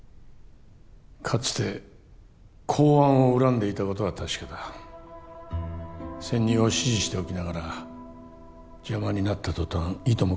かつて公安を恨んでいたことは確かだ潜入を指示しておきながら邪魔になった途端いとも